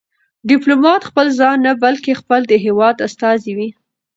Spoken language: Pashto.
ډيپلومات خپل ځان نه، بلکې خپل د هېواد استازی وي.